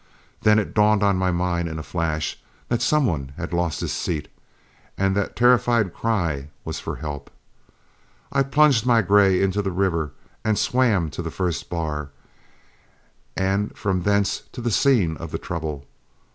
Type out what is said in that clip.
Then it dawned on my mind in a flash that some one had lost his seat, and that terrified cry was for help. I plunged my gray into the river and swam to the first bar, and from thence to the scene of the trouble.